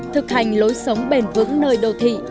thực hành lối sống bền vững nơi đô thị